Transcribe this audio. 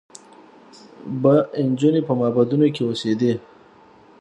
به نجونې په معبدونو کې اوسېدې